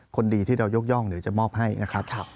คนดีที่เรายกย่องหรือจะมอบให้นะครับ